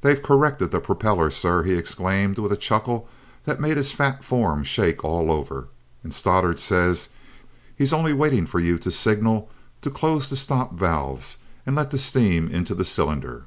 "They've corrected the propeller, sir," he exclaimed with a chuckle that made his fat form shake all over; "and Stoddart says he's only waiting for your signal to close the stop valves and let the steam into the cylinder."